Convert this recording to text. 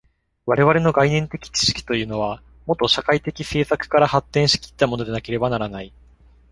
我々の概念的知識というのは、もと社会的制作から発展し来ったものでなければならない。